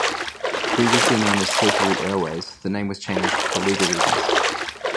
Previously known as Silk Route Airways, the name was changed for legal reasons.